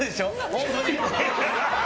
本当に？